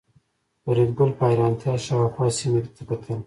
فریدګل په حیرانتیا شاوخوا سیمې ته کتل